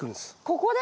ここ。